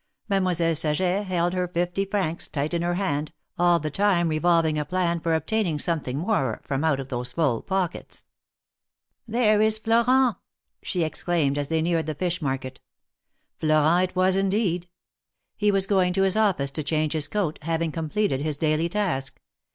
Mademoiselle Saget held her fifty francs tight in her hand, all the time revolving a plan for obtaining some thing more from out those full pockets. There is Florent !" she exclaimed, as they neared the fish market. Florent it was, indeed. He was going to his office to change his coat, having completed his daily task.